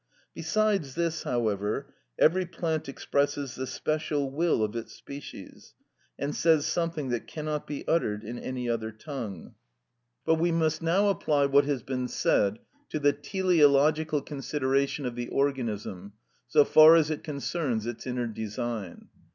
Besides this, however, every plant expresses the special will of its species, and says something that cannot be uttered in any other tongue. But we must now apply what has been said to the teleological consideration of the organism, so far as it concerns its inner design.